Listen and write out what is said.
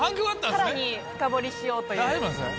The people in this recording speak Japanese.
さらに深掘りしようという。